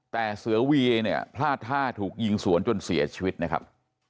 แต่เสือวีเองเนี่ยพลาดท่าถูกยิงสวนจนเสียชีวิตนะครับ